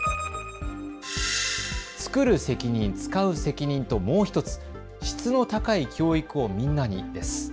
つくる責任つかう責任ともう１つ、質の高い教育をみんなにです。